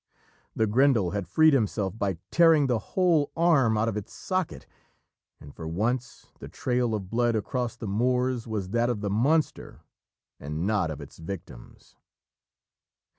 The Grendel had freed himself by tearing the whole arm out of its socket, and, for once, the trail of blood across the moors was that of the monster and not of its victims.